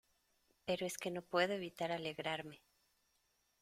pero es que no puedo evitar alegrarme.